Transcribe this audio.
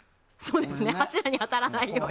柱に当たらないように。